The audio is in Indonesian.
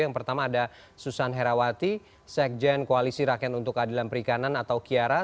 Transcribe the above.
yang pertama ada susan herawati sekjen koalisi rakyat untuk keadilan perikanan atau kiara